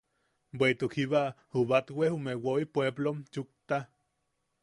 Bweʼituk jiba ju batwe jume woi puepplom chukta.